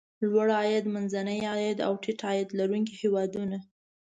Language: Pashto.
لوړ عاید، منځني عاید او ټیټ عاید لرونکي هېوادونه.